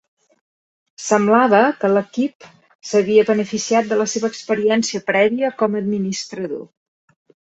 Semblava que l'equip s'havia beneficiat de la seva experiència prèvia com a administrador.